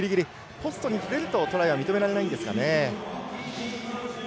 ポストに触れるとトライは認められないんですけどね。